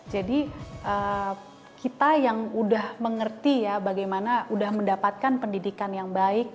jadi kita yang udah mengerti ya bagaimana udah mendapatkan pendidikan yang baik